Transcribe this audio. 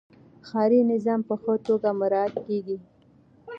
ښاري نظم په ښه توګه مراعات کیږي.